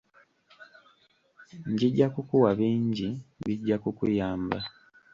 Njija kukuwa bingi bijja kukuyamba.